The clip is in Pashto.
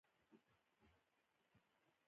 دېوال پخ دی.